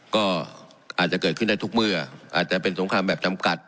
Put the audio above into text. ก็อาจจะเกิดขึ้นได้ทุกเมื่ออาจจะเป็นสงครามแบบจำกัด